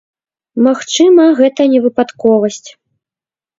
Магчыма, гэта не выпадковасць.